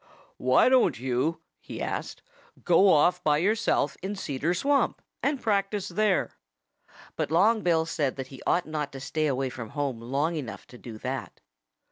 "Why don't you," he asked, "go off by yourself in Cedar Swamp, and practice there?" But Long Bill said that he ought not to stay away from home long enough to do that.